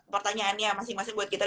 pertanyaannya masih masih buat kita